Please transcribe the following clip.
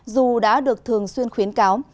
dù đã được thường xuyên khuyến cáo